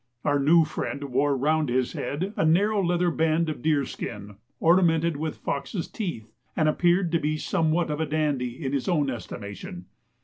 Our new friend wore round his head a narrow leather band of deer skin ornamented with foxes' teeth, and appeared to be somewhat of a dandy in his own estimation.